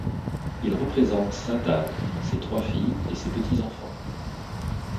Il représente Sainte Anne, ses trois filles et ses petits-enfants.